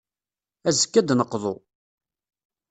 Azekka, ad d-neqḍu.